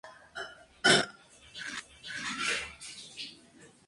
Con el establecimiento del Imperio fue atacada por los imperiales y parcialmente destruida.